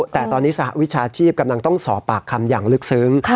แต่ตอนนี้สหวิชาชีพกำลังต้องสอบปากคำอย่างลึกซึ้ง